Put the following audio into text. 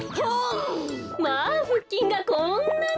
まあふっきんがこんなに！